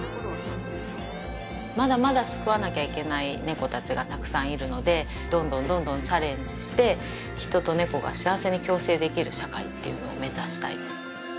まだまだ救わなきゃいけない猫達がたくさんいるのでどんどんどんどんチャレンジして人と猫が幸せに共生できる社会っていうのを目指したいです